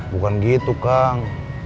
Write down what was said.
bukan gitu kak